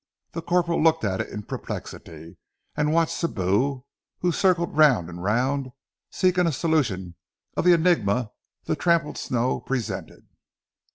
The corporal looked at it in perplexity and watched Sibou, who circled round and round, seeking a solution of the enigma the trampled snow presented.